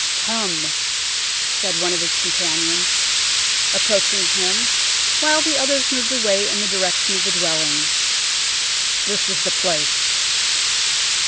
"Come," said one of his companions, approaching him, while the others moved away in the direction of the dwelling—"this is the place."